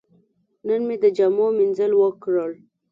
نن مې د جامو مینځل وکړل.